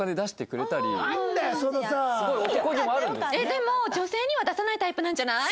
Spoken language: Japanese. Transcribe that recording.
でも女性には出さないタイプなんじゃない？